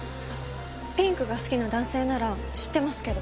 ピンクが好きな男性なら知ってますけど。